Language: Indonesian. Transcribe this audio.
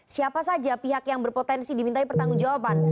siapa saja pihak yang berpotensi dimintai pertanggung jawaban